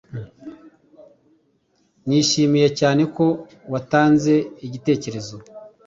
nishimiye cyane ko watanze igitekerezo.